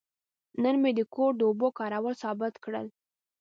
نن مې د کور د اوبو کارول ثابت کړل.